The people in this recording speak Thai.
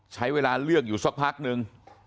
ใช้เวลาเลือกอยู่สักพักนึง